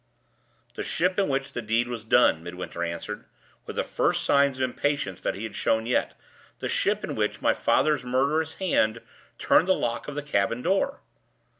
"The ship in which the deed was done," Midwinter answered, with the first signs of impatience that he had shown yet. "The ship in which my father's murderous hand turned the lock of the cabin door."